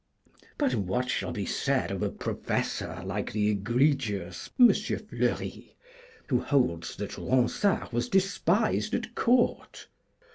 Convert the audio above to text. But what shall be said of a Professor like the egregious M. Fleury, who holds that Ronsard was despised at Court?